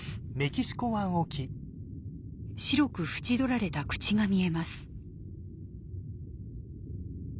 白く縁取られた口が見えます。